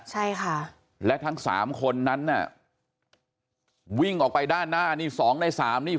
ใช่ค่ะและทั้งสามคนนั้นน่ะวิ่งออกไปด้านหน้านี่สองในสามนี่